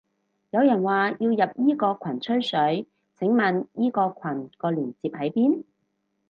有人話要入依個羣吹水，請問依個羣個鏈接喺邊？